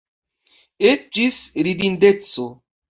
Eĉ ĝis ridindeco.